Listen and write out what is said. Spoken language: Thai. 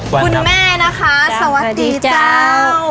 ทุกวันนั้นสวัสดีเจ้าคุณแม่นะคะสวัสดีจ้าว